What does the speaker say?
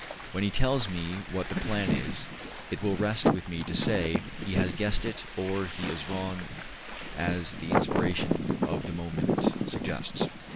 When he tells me what the plan is, it will rest with me to say he has guessed it or he is wrong as the inspiration of the moment suggests.